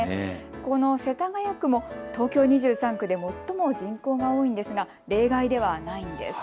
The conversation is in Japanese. この世田谷区も東京２３区で最も人口が多いんですが例外ではないんです。